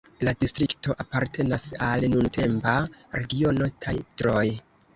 La distrikto apartenas al nuntempa regiono Tatroj.